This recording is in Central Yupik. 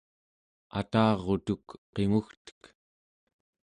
atarutuk qimugtek